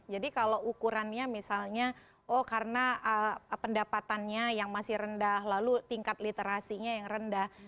jadi kalau ukurannya misalnya oh karena pendapatannya yang masih rendah lalu tingkat literasinya yang rendah